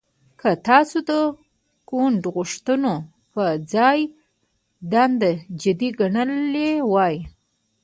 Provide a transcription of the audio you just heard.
که تاسو د ګوند غوښتنو پر ځای دنده جدي ګڼلې وای